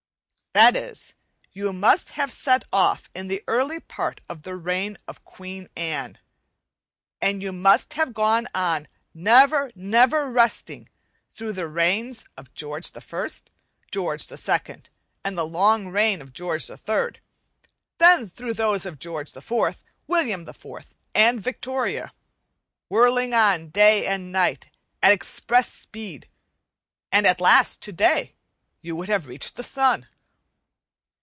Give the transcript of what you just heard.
That is, you must have set off in the early part of the reign of Queen Anne, and you must have gone on, never, never resting, through the reigns of George I, George ii, and the long reign of George III, then through those of George IV, William IV, and Victoria, whirling on day and night at express speed, and at last, today, you would have reached the sun!